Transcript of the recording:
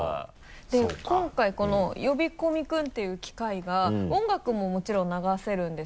で今回この「呼び込み君」っていう機械が音楽ももちろん流せるんですけど。